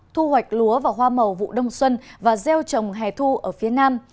thu hoạch lúa và hoa màu vụ đông xuân và gieo trồng hè thu ở phía nam